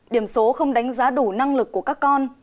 điểm số không đánh giá đủ năng lực của các con